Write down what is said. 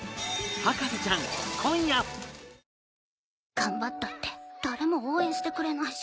頑張ったって誰も応援してくれないし。